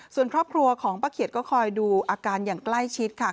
ส่วนครอบครัวของป้าเขียดก็คอยดูอาการอย่างใกล้ชิดค่ะ